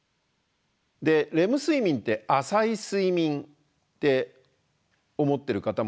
でレム睡眠って浅い睡眠って思ってる方もいるんじゃないでしょうか。